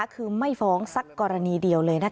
คือไม่ฟ้องสักกรณีเดียวเลย